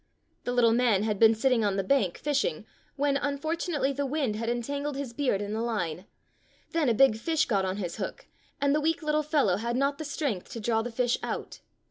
f^" The little man had been sitting on the bank fishing, when, unfortunately, the wind had entangled his beard in the line. Then a big fish got on his hook, and the weak little fellow had not the strength to draw the fish out.